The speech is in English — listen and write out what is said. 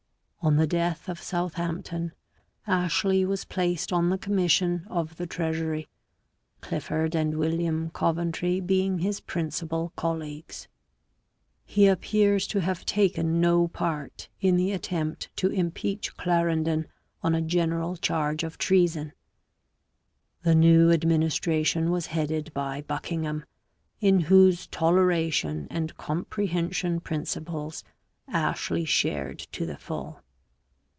On the death of Southampton, Ashley was placed on the commission of the treasury, Clifford and William Coventry being his principal colleagues. He appears to have taken no part in the attempt to impeach Clarendon on a general charge of treason. The new administration was headed by Buckingham, in whose toleration and comprehension principles Ashley shared to the full.